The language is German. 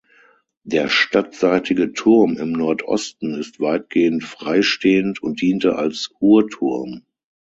Der stadtseitige Turm im Nordosten ist weitgehend freistehend und diente als Uhrturm.